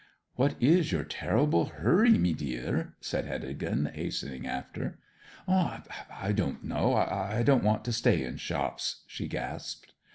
'What is your terrible hurry, mee deer?' said Heddegan, hastening after. 'I don't know I don't want to stay in shops,' she gasped.